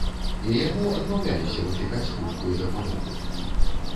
І яму адмаўляліся выклікаць хуткую дапамогу.